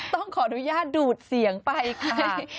ต้องขออนุญาตดูดเสียงไปค่ะ